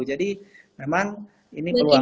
jadi memang ini peluang